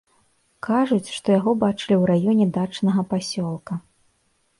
Кажуць, што яго бачылі ў раёне дачнага пасёлка.